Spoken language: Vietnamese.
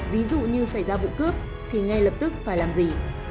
ví dụ như xảy ra vụ cướp thì ngay lập tức phải làm gì